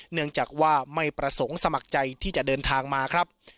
เนื่องจากว่าไม่ประสงค์สมัครใจที่จะเดินทางมาครับ